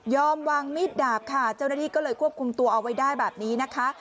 วางมีดดาบค่ะเจ้าหน้าที่ก็เลยควบคุมตัวเอาไว้ได้แบบนี้นะคะ